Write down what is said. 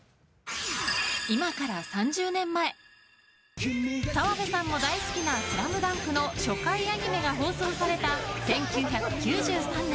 今から３０年前澤部さんも大好きな「ＳＬＡＭＤＵＮＫ」の初回アニメが放送された１９９３年。